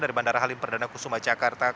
dari bandara halim perdana ke sumba jakarta